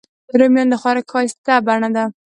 رومیان د خوراک ښایسته بڼه ده